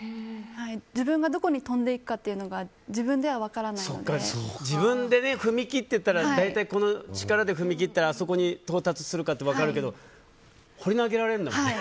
自分がどこに跳んでいくのか自分で踏み切っていったら大体、この力で踏み切ったらあそこに到達するって分かるけど放り投げられるんだもんね。